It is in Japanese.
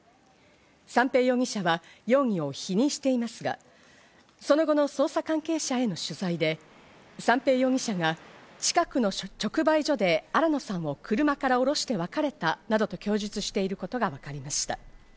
三瓶容疑者は容疑を否認していますが、その後の捜査関係者への取材で三瓶容疑者が近くの直売所で新野さんを車から降ろして別れたなどと供述していることがわかりました。